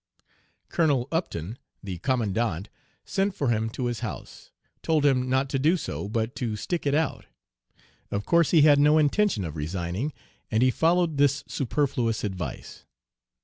Colonel Upton, the commandant, sent for him to his house, told him not to do so, but to stick it out. Of course he had no intention of resigning, and he followed this superfluous advice.